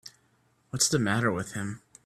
What's the matter with him.